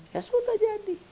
ya sudah jadi